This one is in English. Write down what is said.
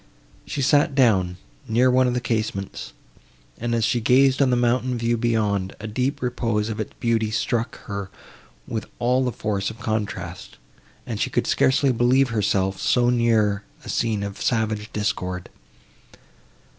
She sat down, near one of the casements, and, as she gazed on the mountain view beyond, the deep repose of its beauty struck her with all the force of contrast, and she could scarcely believe herself so near a scene of savage discord.